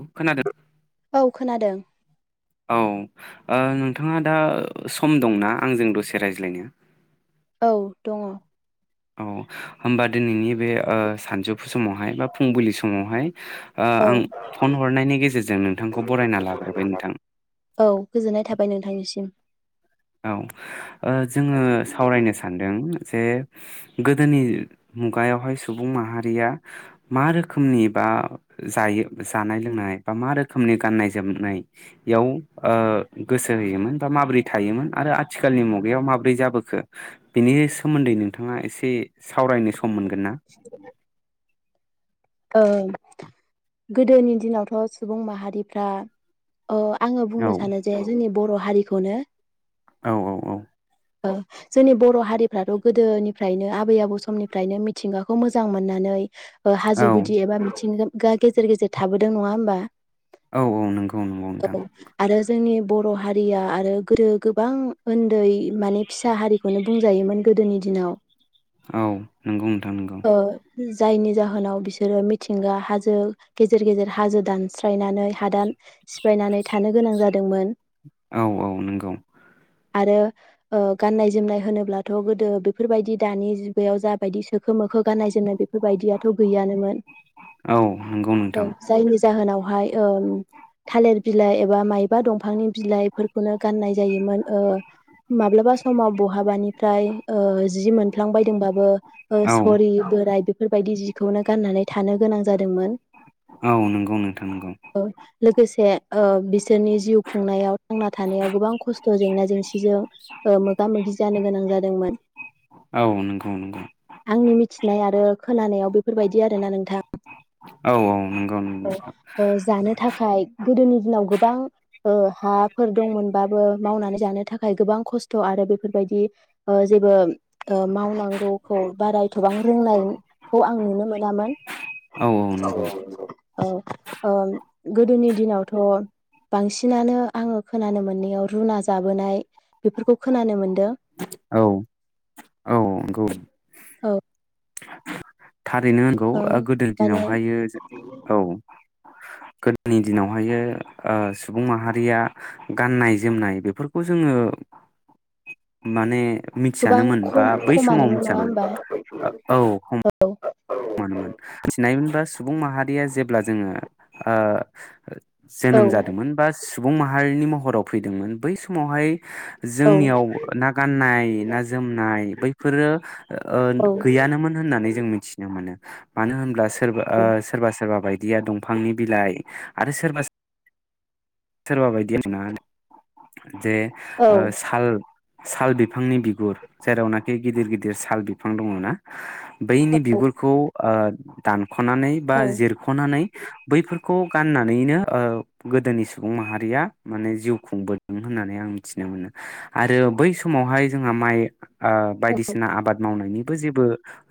खोनादों औ खोनादों। औ ओ नोंथाङा दा सम दंना आंजों दसे रायज्लायनो? औ दङ। औ होमबा दिनैनि बे ओ सानजौफु समावहाय बा फुंबिलि समावहाय ओ आं फन हरनायनि गेजेरजों नोंथांखौ बरायना लाग्रोबाय नोंथां। औ गोजोननाय थाबाय [inaudible] औ ओ जोङो सावरायनो सान्दों जे गोदोनि मुगायावहाय सुबुं माहारिया मा रोखोमनि बा जायो जानाय लोंनाय बा मा रोखोमनि गान्नाय जोमनायाव ओ गोसो होयोमोन बा माबोरै थायोमोन आरो आथिखालनि मुगायाव माब्रै जाबोखो बेनि सोमोन्दै नोंथाङा एसे सावरायनो स [unintelligible] मोनगोन ना औ गोदोनि दिनावथ सुबुं माहारिफ्रा ओ आङो औ बुंनो सानो जे जोंनि बर' हारिखौनो औ औ औ जोंनि बर हारिफ्राथ गोदोनिफ्रायनो आबै आबौ समनिफ्रायनो मिथिंगाखौ मोजां मोननानै ओ हाजो औ [unintelligible] गा गेजेर गेजेर थाबोदों नङा होमबा? औ औ नंगौ नंगौ औ नोंथां आरो जोंनि बर' हारिया आरो गोदो गोबां उन्दै माने फिसा हारिखौनो बुंजायोमोन गोदोनि दिनाव। औ नंगौ नोंथां नोंगौ। ओ जायनि जाहोनाव बिसो रो मिथिंगा हाजो गेजेर गेजेर हाजो दानस्रायनानै हादान सिफायनानै थानो गोनां जादोंमोन औ औ नंगौ आरो ओ गाननाय जोमनाय होनोब्लाथ गोदो बेफोरबायदि दानि जुगायाव जाबायदि सोखो मोखो गाननाय जोमनाय बेफोरबायदियाथ गैयानोमोन। औ नंगौ औ नोंथां जायनि जाहोनाव हाय ओम थालिर बिलाइ एबा माइबा दंफांनि बिलाइफोरखौनो गाननाय जायोमोन ओ माब्लाबा समाव बहाबानिफ्राय ओ जि मोनफ्लां बायदोंबाबो औ सरि बोराय बे बेफोरबायदि जिखौनो गाननानै थानो गोनां जादोंमोन औ नंगौ नोंथां नंगौ औ लोगोसे ओ बिसोरनि जिउ खुंनायाव थांना थानायाव गोबां खस्थ जेंना जेंसिजों ओ मोगा मोगि जानो गोनां जादोंमोन। औ नंगौ नंगौ आंनि मिथिनाय आरो खोनानायाव बेफोरबायदि आरो ना नों थां औ औ नंगौ नंगौ नोंथां। खाय गोदोनि दिनाव गोबां हाफोर दंमोनबाबो मावनानै जानो थाखाय गोबां खस्थ आरो बेफोरबायदि ओ जेबो ओ मावनांगौखौ बारा एथबां रोंनायखौ आं नुनो मोनामोन। औ औ नंगौ औ अ गोदोनि दिनावथ बांसिनानो आङो खोनानो मोननायाव रुना जाबोनाय बेफोरखौ खोनानो मोन औ औ औ नंगौ। औ [unintelligible] थारैनो नंगौ ओ गोदोनि माने दिनावहायो जो औ गोदोनि दिनावहायो ओ सुबुं माहारिया गाननाय जोमनाय बेफोरखौ जोङो माने गोबां मिथियानोमोन बा खम बै समाव खमानो मोन नङा मिथियामोन ओ औ होनोमबा। औ। मोनोमोन थिनायो मोनबा सुबुं माहारिया जेब्ला जोङो ओ औ जोनोम जादोंमोन बा सुबुं माहारिनि महराव फैदोंमोन बै समावहाय औ जोंनियाव ना गाननाय ना जोमनाय बैफोरो ओ औ गैयानोमोन होननानै जों मिथि मोनो मानो होनब्ला सोरबा ओ सोरबा सोरबा बाय दिया दंफांनि बिलाइ आरो सोरबा सोरबा बायदिया [unintelligible] जे औ ओ साल साल बिफांनि बिगुर जेरावनाखि गिदिर गिदिर साल बिफां दङ ना बैनि बिगुरखौ ओ दान खनानै बा औ जिरखनानै बैफोरखौ गाननानैनो ओ गोदोनि सु बुं माहारिया माने जिउ खुंबोदों होननानै आं मिथिनो मोनो आरो बै समावहाय जोंहा माइ ओ बायदिसिना आबाद मावनायनि जेबो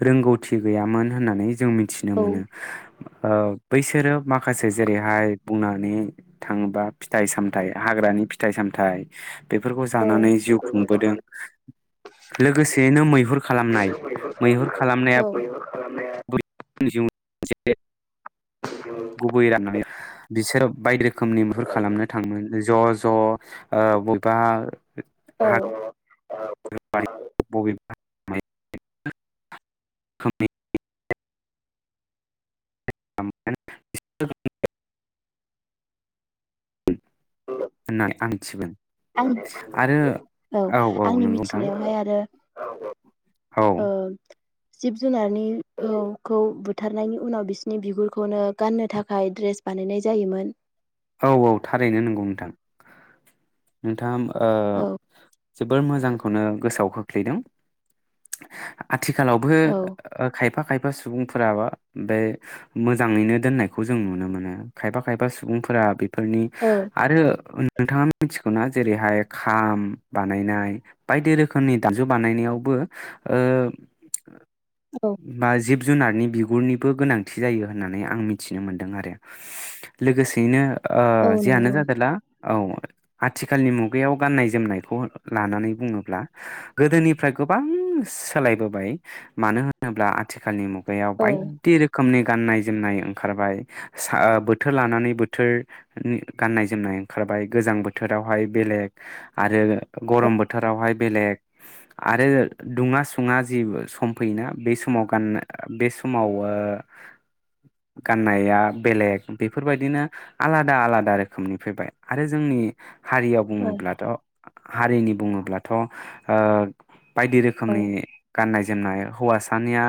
रोंगौथि गैयामोन होननानै जों मिथिनो औ मोनो ओ बैसोरो माखासे जेरैहाय बुंनानै थाङोबा फिथाइ सामथायाइ हाग्रानि फिथाइ सामथायाइ बेफोरखौ औ जानानै जिउ बेफोरखौ खुंबोदों जानानै लोगोसेयैनो मैहुर बेनो खालामनाय मैहुर खालामनाय खालामनाया मैहुर खालामनाया [unintelligible] जिउ गुबै राननानै बिसोरो बायदि रोखोमनि मैहुर लायोमोन खालामनो थाङोमोन ज ज ओ बबेबा औ आं [unintelligible] बबेबा [unintelligible] [unintelligible] [unintelligible] होननानै आं मिथिमोन आं औ आंनि नंगौ नोंथां मिथिनायावहाय आरो औ औ ओ जिब जुनारनि औ खौ बुथारनायनि उनाव बिसिनि बिगुरखौनो गाननो थाखाय ड्रेस बानायनाय जायोमोन। औ औ थारैनो नोंगौ नोंथां नोंथाङा ओ औ जोबोर मोजांखौनो गोसोआव खोख्लैदों आ आथिखालावफो ओ औ खायफा खायफा खायफा सुबुंफोराबा बे मोजाङैनो दोननायखौ जों नुनो मोनो खायफा खायफा सुबुं फोरा बि फोरनि औ आरो नोंथाङा मिथिगौना जेरैहाय खाम बानायनाय बायदि रोखोमनि दामजु बानायनायावबो ओ औ बा जिब जिब जुनारनि बिगुरनिबो गोनांथि जायो होननानै आं मिथिनो मोनदों आरो लोगोसे बिदिनो ओ औ जियानो नंगौ जादोंला औ आथिखालनि मुगायाव गाननाय जोमनायखौ लानानै बुङोब्ला गोदोनिफ्राय गोबां सोलायबोबाय मानो होनोब्ला आथिखालनि मु गायाव औ बायदि रोखोमनि गाननाय जोमनाय ओंखारबाय बोथोर लानानै बोथोर बोथोरनि गाननाय जोमनाय ओंखारबाय गोजां बोथोरावहाय बेलेग आरो औ गरम बोथोरावहाय बेलेग आरो दुङा सुङा जि सम फैयोना बे समाव गा ओ गाननाया बेलेग बेफोर बायदिनो आलादा आलादा रोखोमनि फैबाय आरो जोंनि हारिया बुङोब्लाथ' हारिनि बुङोब्लाथ ओ बायदि औ रोखोमनि गाननाय जो ओमनाय हौवासानिया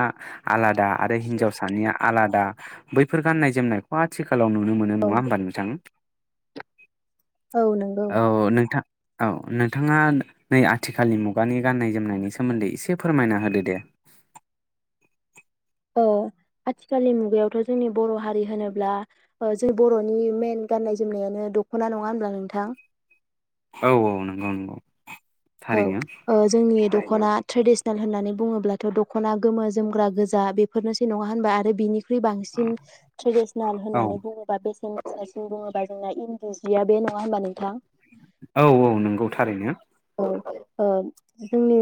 आलादा आरो हिन्जावसानिया आलादा। बैफोर गान्नाय जोमनायखौ आथिखाल लाव नुनो मोनो नङा नोंथां औ नंगौ औ नोंथां। औ नोंथाङा नै आथिखालनि मुगानि गाननाय जोमनायनि सोमोन्दै एसे फोरमायना होदो दे। अ आथिखालनि मुगायावथ जोंनि बर' हारि होनोब्ला जों बरनि मेन गाननाय जोमनायानो द'खना नङा होमब्ला नोंथां। औ औ नंगौ नंगौ। औ थारैनो ओ जोंनि द'खना ट्रेडिसनेल होननानै बुङोब्लाथ द'खना गोमो जोमग्रा गोजा बेफोरनोसै नङा होनबा आरो बिनि फ्रि बांसिन ट्रेडिसनेल औ होननानै बुङोबा बेसेन सिन बुङोबा जोंना इन्दि जिया बे नङा होनबा नोंथां। औ औ नंगौ थारैनो। औ ओ जोंनि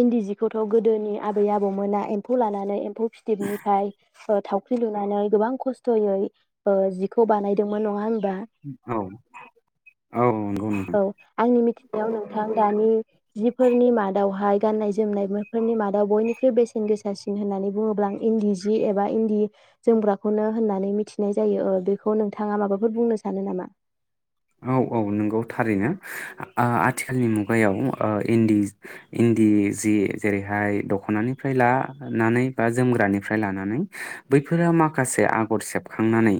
इन्दि जिखौथ गोदोनि आबै आबौमोना एम्फौ लानानै एम्फ फिथिबनिफ्राय स थावख्रि लुनानै गोबां खस्थयै ओ जिखौ बानायदोंमोन नङा होम औ औ नंगौ नगौ। याव नोंथां दानि जिफोरनि मादावहाय गाननाय जोमनायफोरनि मादाव बयनिख्रुइ बेसेन गोसासिन होननानै बुङोब्ला आं इन्दि जि एबा इन्दि जोमग्राखौनो होननानै मिथिनाय जायो ओ बेखौ नोंथाङा माबाफोर बुंनो सानो नामा? औ औ नंगौ थारैनो आ-आथिखालनि मुगायाव ओ इन्दि इन्दि जि जेरैहाय दखनानिफ्राय लानानै बा जोमग्रानिफ्राय लानानै बैफोरा माखासे आब हर सेबखांनानै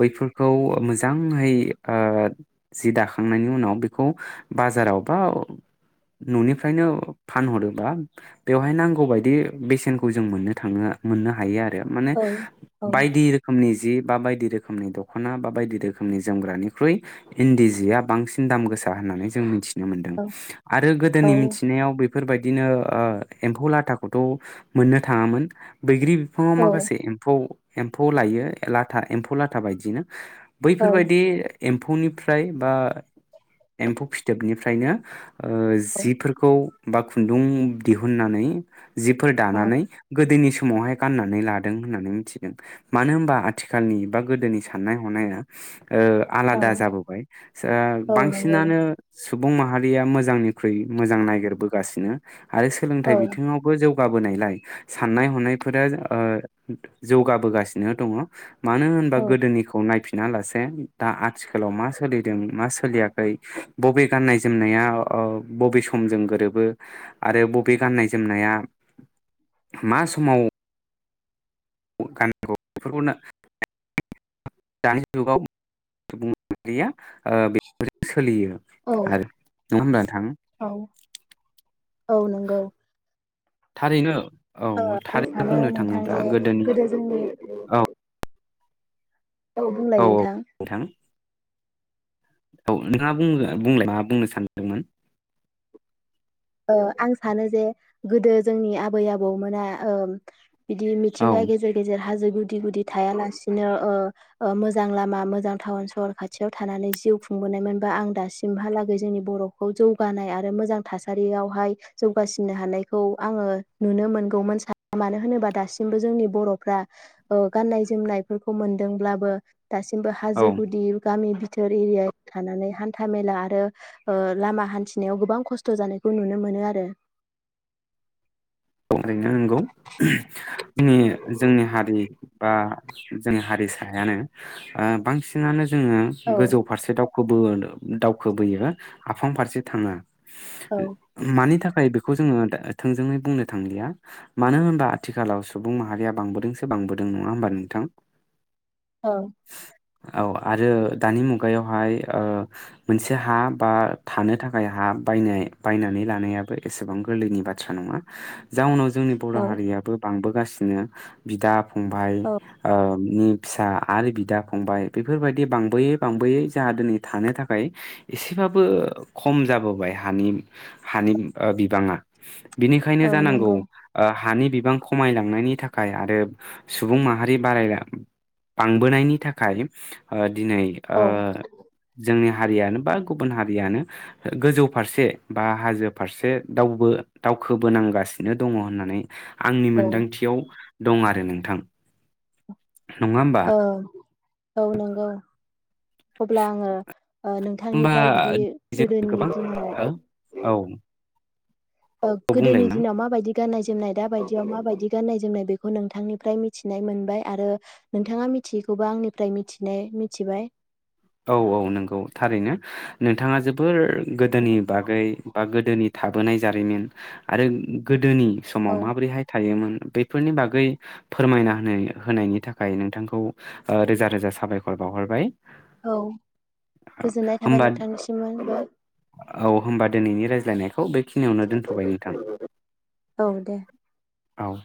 बैफोरखौ मोजाङै ओ जि दाखांनायनि उनाव बेखौ बाजाराव बा ननिफ्रायनो फानहरो बा बेवहाय नांगौबायायदि बेसेनखौ जों मोननो थाङो मोननो हायो आ माने औ औ बायदि रोखोमनि जि बा बाय इदि रोखोमनि दखना बा बायदि रोखोमनि जोमग्रानि ख्रुइ इन्दि जिया बांसिन दाम गोसा होननानै जों मिथि नो मोनदों औ आरो गोदोनि औ मिथिनायाव बे बेफोरबायदिनो एम्फौ लाथाखौथ मोननो थाङामोन बैग्रि बिफाङाव माखासे एम्फौ एम्फौ लायो लाथा एम्फौ लाथा बायदिनो औ बैफोरबायदि एम्फौनिफ्राय बा एम्फौ फिथोबनि ओमफ्रायनो ओ औ जिफोरखौ बा खुन्दुं दिहुननानै जिफोर औ दानानै गोदोनि सम समावहाय गाननानै लादों होननानै मिथिदों मानो होनबा आथिखालनि बा गोदोनि साननाय हनाया ओ आलादा जाबोबाय ओ औ नंगौ बांसिनानो सुबुं माहारिया मोजांनिख्रुइ मोजां नायगिरबोगासिनो आरो औ सोलोंथाइ बिथिङावबो जौ जौगाबोनायलाय साननाय हनायफोरा ओ जौगाबोगासिनो दङ मानो होनबा औ गोदोनिखौ नायफिन बिना लासे दा आथिखालाव मा सोलिदों मा सोलियाखै बबे गाननाय जोमनाया बबे समजों गोरोबो आरो बबे गाननाय जोमनाया मा समाव [unintelligible] बेफोर सोलियो आरो नङा औ होमब्ला नोंथां? औ नंगौ थारैनो औ ओ थारैनो सानो बुंनो थाङोब्ला नोंथांनि गोदोनि गोदो जोंनि औ औ बुंलाय औ नोंथां । नोंथां औ नोंथाङा बुंलाय मा बुंनो सानदोंमोन? ओ आं सानो जे गोदो जोंनि आबै आबौमोना ओ बिदि औ मिथिंगा गेजेर गेजेर हाजो गुदि गुदि थायालासिनो ओ ओ मोजां लामा मोजां टाउन सहर खाथियाव थानानै जिउ खुंबोनायमोनबा आं दासिमहालागै जोंनि बरखौ जौगानाय आरो मोजां थासा थासारियावहाय जौगासिनो हानायखौ आङो नुनो मोनगौमोन सा मानो होनोबा दासिमबो जोंनि बर'फ्रा ओ गान्नाय जोमनायफोरखौ मोनदोंब्लाबो दासिमबो औ हाजो गुदि गामि [unintelligible] खस्थ' जानायखौ नुनो मोनो आरो। [unintelligible] नोंगौ जोंनि जोंनि हारि बा जोंनि हारिसायानो ओ बांसिनानो जोङो औ गोजौ फारसे दाव खौबो दावखोबोयो आफां फारसे थाङा। औ मानि थाखाय खौ जोङो दो थोंजोङै बुंनो थांलिया मानो होनबा आथिखालाव सुबुं माहारिया बांबोदोंसो बांबोदों नङा होमबा नोंथां? ओ। औ आरो दानि मुगायावहाय ओ मोनसे हा बा थानो थाखाय हा बायनाय बायनानै लानायाबो एसेबां गोरलैनि बाथ्रा नङा। जाउनाव जोंनि बर' औ हारियाबो बांबो गासिनो बिदा फंबाय औ ओ नि फिसा आरो बिदा फंबाय बेफोरबायदि बांबोयै बांबोयै जाहा दिनै थानो थाखाय एसेबाबो खम जाबोबाय हानि हानि ओ बिबाङा। खायनो औ जानांगौ नंगौ ओ हानि बिबां खमायलांनायनि थाखाय आरो सुबुं माहारि बाराय बांबोनायनि थाखाय ओ दिनै ओ औ जोंनि हारियानो बा गुबुन हारियानो गोजौ फारसे बा हाजो फारसे दावबो दाव खोबोनांगासिनो दङ होननानै आंनि औ मोनदांथियाव दं आरो नोंथां। नङा होमबा औ। औ नोंगौ। अब्ला आङो होमबा नोंथांनिफ्राय बिदि जों गोदोनि गोबां दिनाव हो औ ओ बुंलाय गोदोनि नों दिनाव माबायदि? गाननाय जोमनाय दा बायदियाव माबायदि गाननाय जोमनाय बेखौ नोंथांनिफ्राय मिथिनानै मोनबाय आरो नोंथाङा मिथियैखौबो आंनिफ्राय मिथिनाय मिथिबाय। औ औ नंगौ थारैनो नोंथाङा जोबोर गोदोनि बागै बा गोदोनि थाबोनाय जारिमिन आरो गोदोनि समाव औ माब्रैहाय थायोमोन? बेफोरनि बागै फोरमायना होनो होनायनि थाखाय नोंथांखौ ओ रोजा रोजा साबायखर बावहरबाय। औ गोजोननाय थाबाय होमबा नोंथांनिसिममोनबो। लायनायखौ बे खिनियावनो दोनथ'बाय नोंथां औ दे औ।